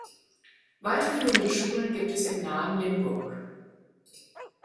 Weiterführende Schulen gibt es im nahen Limburg.